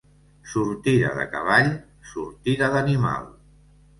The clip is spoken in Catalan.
Sortida de cavall, sortida d'animal.